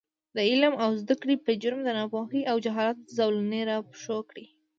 د عـلم او زده کـړې پـه جـرم د نـاپـوهـۍ او جـهالـت زولـنې راپښـو کـړي .